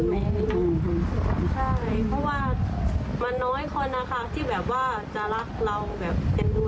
เพราะว่ามันน้อยคนนะคะที่แบบว่าจะรักเรา